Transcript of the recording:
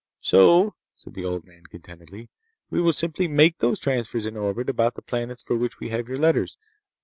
"So," said the old man contentedly, "we will simply make those transfers in orbit about the planets for which we have your letters.